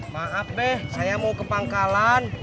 maaf deh saya mau ke pangkalan